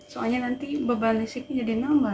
soalnya nanti beban listriknya jadi nambah